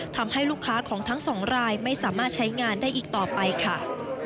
ทำให้ลูกค้าของทั้งสองรายไม่สามารถใช้งานได้อีกต่อไปค่ะ